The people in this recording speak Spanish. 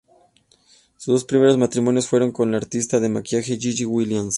Sus dos primeros matrimonios fueron con la artista de maquillaje Gigi Williams.